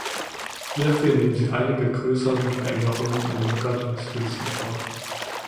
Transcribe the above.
Hierfür nehmen sie einige größeren Veränderungen an den Gottesdiensten vor.